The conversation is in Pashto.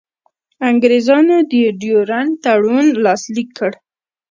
انګرېزانو د ډیورنډ تړون لاسلیک کړ.